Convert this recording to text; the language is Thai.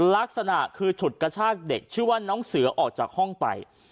ลักษณะคือฉุดกระชากเด็กชื่อว่าน้องเสือออกจากห้องไป